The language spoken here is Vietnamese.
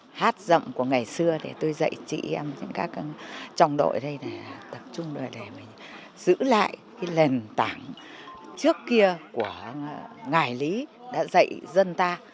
lên hát dạm của ngày xưa để tôi dạy chị em các trọng đội đây tập trung để mình giữ lại cái lền tảng trước kia của ngài lý đã dạy dân ta